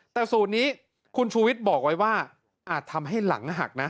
แต่สูตรนี้คุณชูวิทย์บอกไว้ว่าอาจทำให้หลังหักนะ